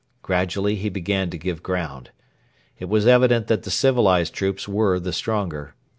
Gradually he began to give ground. It was evident that the civilised troops were the stronger.